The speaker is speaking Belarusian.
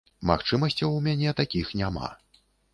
Магчымасцяў у мяне такіх няма.